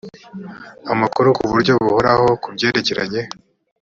amakuru ku buryo buhoraho ku byerekeranye